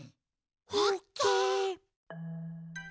オッケー。